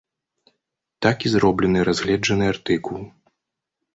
Так і зроблены разгледжаны артыкул.